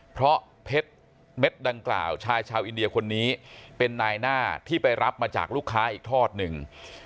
เพราะเพชรเม็ดดังกล่าวชายชาวอินเดียคนนี้เป็นนายหน้าที่ไปรับมาจากลูกค้าอีกทอดหนึ่ง